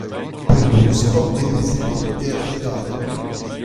Pegoulz oc'h emezelet er redadeg-mañ ?